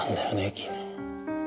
昨日。